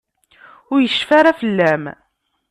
Ur yecfi ara fell-am.